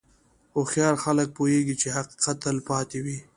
هوښیار خلک پوهېږي چې حقیقت تل پاتې وي.